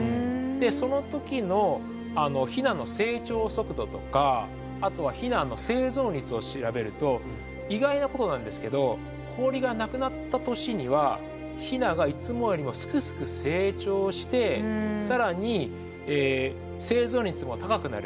その時のヒナの成長速度とかあとはヒナの生存率を調べると意外なことなんですけど氷がなくなった年にはヒナがいつもよりもすくすく成長して更に生存率も高くなる。